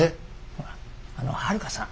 ほらあのはるかさん